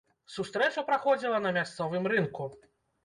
Сустрэча праходзіла на мясцовым рынку.